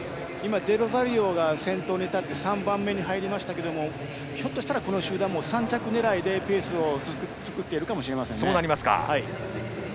デロザリオが先頭に立って３番目に入りましたがひょっとしたら、この集団３着狙いでペースを作っているかもしれませんね。